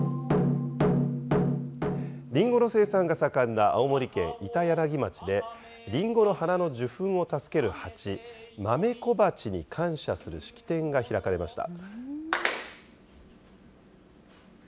りんごの生産が盛んな青森県板柳町で、りんごの花の受粉を助けるハチ、マメコバチに感謝する式典が開かれました。